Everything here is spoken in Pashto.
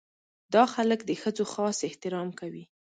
دا خلک د ښځو خاص احترام کوي.